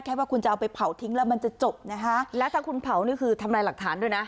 ว่าคุณจะเอาไปเผาทิ้งแล้วมันจะจบนะคะแล้วถ้าคุณเผานี่คือทำลายหลักฐานด้วยนะ